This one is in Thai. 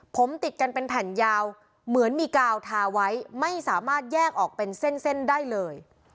ผมติดกันเป็นแผ่นยาวเหมือนมีกาวทาไว้ไม่สามารถแยกออกเป็นเส้นเส้นได้เลย